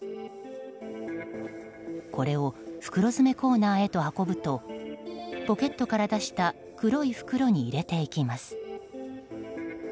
これを袋詰めコーナーへ運ぶとポケットから出した黒い袋に入れていきます。